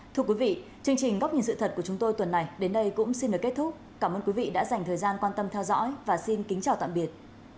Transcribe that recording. thưa quý vị chương trình góc nhìn sự thật của chúng tôi tuần này đến đây cũng xin được kết thúc cảm ơn quý vị đã dành thời gian quan tâm theo dõi và xin kính chào tạm biệt